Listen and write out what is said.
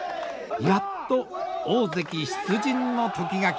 やっと大関出陣の時が来ました。